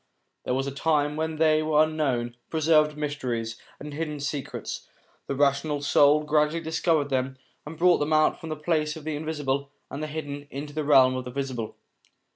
There was a time when they were unknown, preserved mysteries, and hidden secrets ; the rational soul gradually discovered them and brought them out from the plane of the invisible and the hidden, into the realm of the visible.